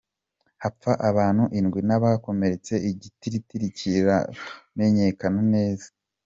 Hapfa abantu indwi n'abakomeretse igitigiri kitaramenyekana neza.